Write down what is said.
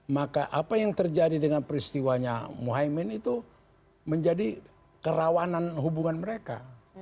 maka apa yang terjadi dengan peristiwanya mohaimin itu menjadi kerawanan hubungan mereka